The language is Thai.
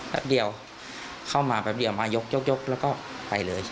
แป๊บเดียวเข้ามาแป๊บเดียวมายกยกแล้วก็ไปเลย